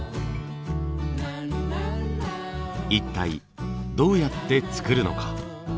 一体どうやって作るのか。